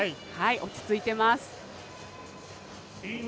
落ち着いてます。